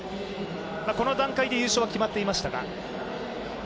この段階で優勝は決まっていましたが。